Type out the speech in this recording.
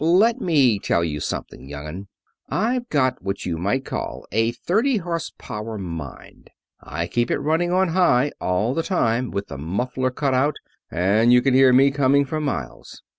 "Let me tell you something, young 'un. I've got what you might call a thirty horse power mind. I keep it running on high all the time, with the muffler cut out, and you can hear me coming for miles.